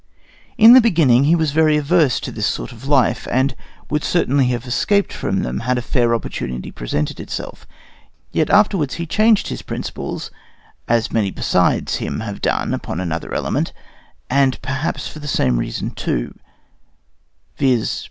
In the beginning he was very averse to this sort of life, and would certainly have escaped from them had a fair opportunity presented itself; yet afterwards he changed his principles, as many besides him have done upon another element, and perhaps for the same reason too, viz.